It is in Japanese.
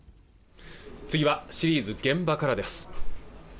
次はシリーズ「現場から」です